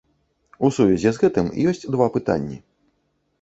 У сувязі з гэтым ёсць два пытанні.